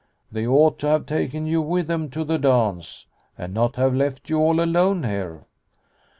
" They ought to have taken you with them to the dance, and not have left you all alone here."